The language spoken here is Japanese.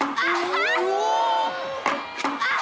あっ！